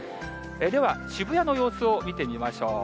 では、渋谷の様子を見てみましょう。